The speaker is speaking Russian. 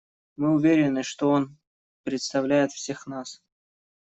Мы уверены, что он представляет всех нас.